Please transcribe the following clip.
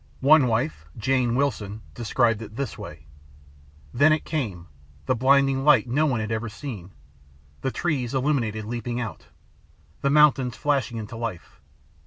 One wife, Jane Wilson, described it this way, "Then it came. The blinding light [no] one had ever seen. The trees, illuminated, leaping out. The mountains flashing into life.